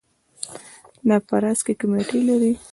دا په راس کې کمیټې لري.